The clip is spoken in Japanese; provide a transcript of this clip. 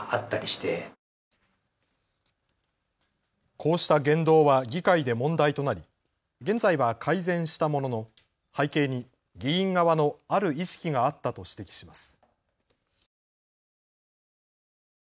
こうした言動は議会で問題となり現在は改善したものの背景に議員側のある意識があったと指摘します。